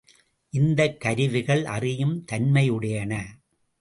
இந்தக் கருவிகள் அறியும் தன்மையுடையன.